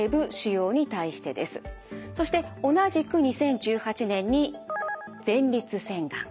そして同じく２０１８年に前立腺がん。